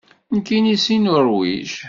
Nekkini seg Nuṛwij.